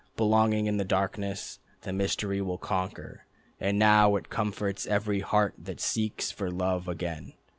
Beginning in the darkness, the mystery will conquer, And now it comforts every heart that seeks for love again.